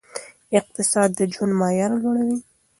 اقتصاد د ژوند معیار لوړوي.